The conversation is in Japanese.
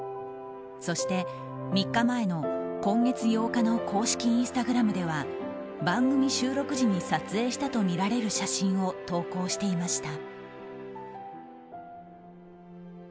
そして、３日前の今月８日の公式インスタグラムでは番組収録時に撮影したとみられる写真を投稿していました。